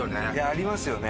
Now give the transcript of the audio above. ありますよね。